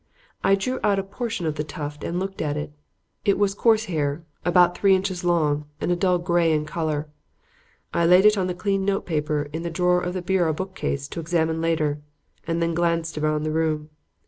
I drew out a portion of the tuft and looked at it. It was coarse hair, about three inches long and a dull gray in color. I laid it on the clean note paper in the drawer of the bureau bookcase to examine later, and then glanced around the room.